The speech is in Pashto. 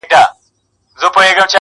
o خر له باره ولوېدی، له گوزو ونه لوېدی٫